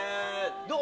どう？